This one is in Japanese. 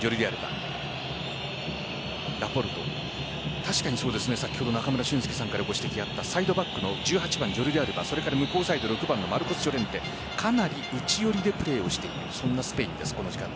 確かに中村俊輔さんからご指摘があったサイドバックのジョルディアルバ向こうサイドのマルコスジョレンテかなり内寄りでプレーをしているそんなスペインです。